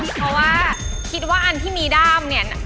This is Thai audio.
เพราะว่าคิดว่าอันที่มีด้ามเนี่ย